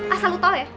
asal lu tahu ya